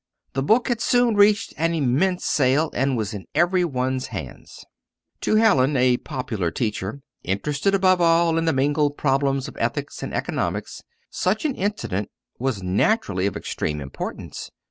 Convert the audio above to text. The book had soon reached an immense sale, and was in every one's hands. To Hallin, a popular teacher, interested above all in the mingled problems of ethics and economics, such an incident was naturally of extreme importance.